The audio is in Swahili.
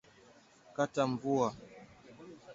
Kitamvua